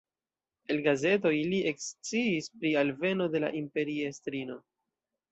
El gazetoj li eksciis pri alveno de la imperiestrino.